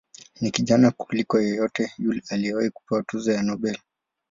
Ni kijana kuliko yeyote yule aliyewahi kupewa tuzo ya Nobel.